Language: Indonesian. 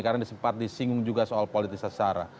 karena disempat disinggung juga soal politik secara